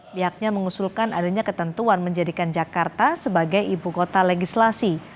pihaknya mengusulkan adanya ketentuan menjadikan jakarta sebagai ibu kota legislasi